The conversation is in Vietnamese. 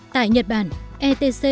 tại nhật bản etc